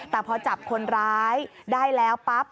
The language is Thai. แต่พอจับคนร้ายได้แล้วปั๊บ